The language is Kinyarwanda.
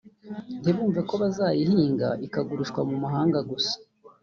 ntibumve ko bazayihinga ikagurishwa mu mahanga gusa